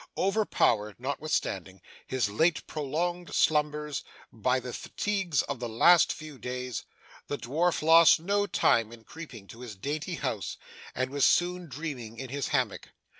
Overpowered, notwithstanding his late prolonged slumbers, by the fatigues of the last few days, the dwarf lost no time in creeping to his dainty house, and was soon dreaming in his hammock.